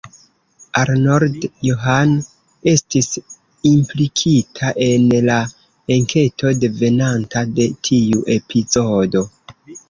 Arnold Johan estis implikita en la enketo devenanta de tiu epizodo.